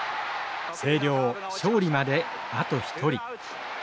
星稜勝利まであと１人。